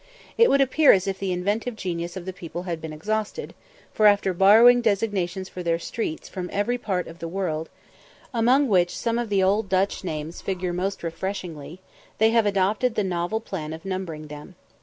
It would appear as if the inventive genius of the people had been exhausted, for, after borrowing designations for their streets from every part of the world, among which some of the old Dutch names figure most refreshingly, they have adopted the novel plan of numbering them.